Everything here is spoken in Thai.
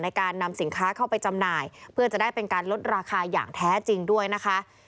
ในการนำสินค้าเข้าไปจำหน่ายเพื่อจะได้เป็นการลดราคาอย่างแท้จริงด้วยนะคะ